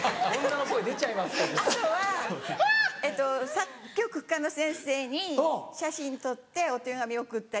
作曲家の先生に写真撮ってお手紙送ったり。